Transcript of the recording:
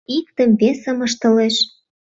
Иктым-весым ыштылеш: